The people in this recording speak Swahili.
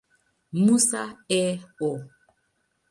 Musa, A. O.